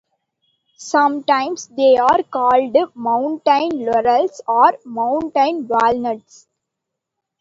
Sometimes, they are called mountain laurels or mountain walnuts.